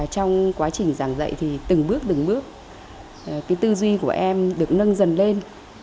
trong quá trình giảng dạy thì từng bước từng bước tư duy của em được nâng dần lên